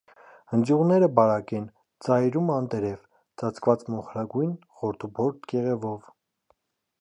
Ընձյուղները բարակ են, ծայրում անտերև, ծածկված մոխրագույն, խորդուբորդ կեղևով։